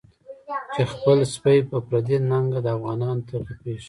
چی خپل سپی په پردی ننګه، افغانانو ته غپیږی